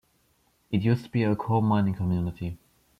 It used to be a coal-mining community.